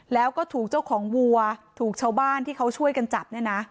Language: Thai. แล้วก็ถูกเจ้าของวัวถูกชาวบ้านที่เขาช่วยกันจับเนี่ยนะ